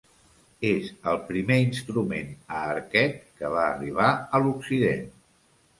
És el primer instrument a arquet que va arribar a l'Occident.